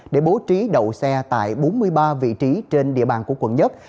để bố trí đầu xe tại bốn mươi ba vị trí trên địa bàn của quận nhất